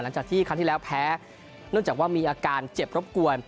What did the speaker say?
หลังจากที่ครั้งที่แล้วแพ้เนื่องจากว่ามีอาการเจ็บรบกวน